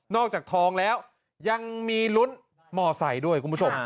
อกจากทองแล้วยังมีลุ้นมอไซค์ด้วยคุณผู้ชม